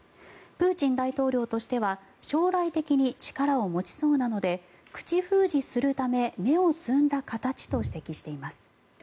プーチン大統領としては将来的に力を持ちそうなので口封じするため芽をつんだ形と指摘しています。